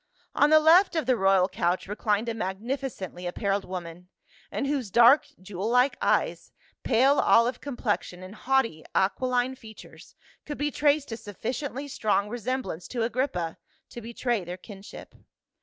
On the left of the royal couch reclined a magnificently appareled woman, in whose dark jewel like eyes, pale olive complexion and haughty aquiline features could be traced a sufficiently strong resemblance to Agrippa to betray their kinship.